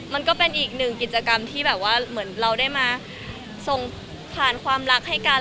มันก็เป็นอีกหนึ่งกิจกรรมที่แบบว่าเหมือนเราได้มาส่งผ่านความรักให้กัน